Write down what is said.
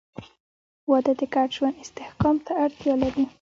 • واده د ګډ ژوند استحکام ته اړتیا لري.